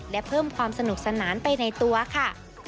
และเพิ่มความสนุกสนานไปในตัวค่ะ